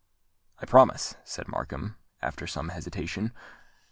"I promise," said Markham, after some hesitation.